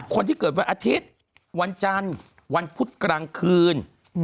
คนที่เกิดวันอาทิตย์วันจันทร์วันพุธกลางคืน